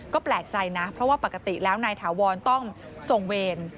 ก็แปลกใจนะเพราะว่าปกติแล้วนายถาวรต้องส่งเวร